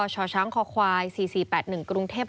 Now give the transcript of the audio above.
ช่อช้างคอควาย๔๔๘๑กรุงเทพย์